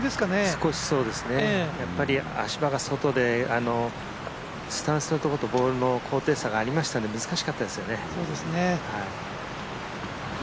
少しそうですね、やっぱり足場が外でスタンスなところと、ボールの高低差がありましたし、難しかったですね。